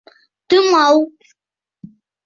Тымау